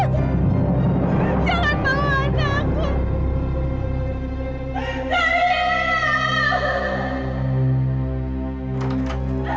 tunggu tunggu tunggu